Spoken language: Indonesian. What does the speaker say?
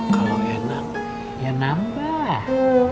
kalau enak ya nambah